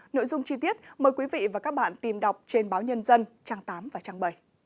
nội dung chi tiết mời quý vị và các bạn tìm đọc trên báo nhân dân trang tám và trang bảy